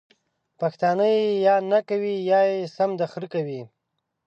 پښتانه ېې یا نکوي یا يې سم د خره کوي!